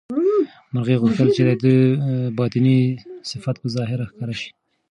مرغۍ غوښتل چې د ده باطني صفت په ظاهر ښکاره شي.